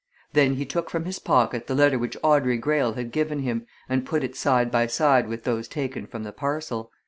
Then he took from his pocket the letter which Audrey Greyle had given him and put it side by side with those taken from the parcel.